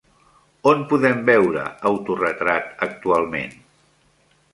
On podem veure autoretrat actualment?